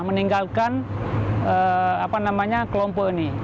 meninggalkan kelompok ini